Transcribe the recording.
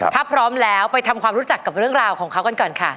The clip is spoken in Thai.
ถ้าพร้อมแล้วไปทำความรู้จักกับเรื่องราวของเขากันก่อนค่ะ